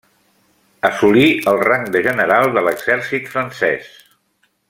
Assolí el rang de general de l'exèrcit francès.